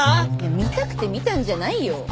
見たくて見たんじゃないよ。